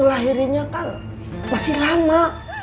lahirinnya kan masih lama